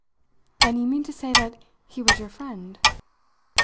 "And you mean to say that he was your friend?"